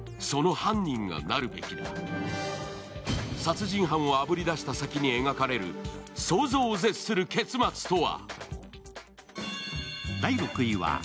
殺人犯をあぶり出した先に描かれる想像を絶する結末とは。